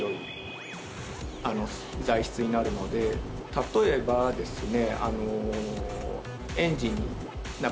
例えばですね。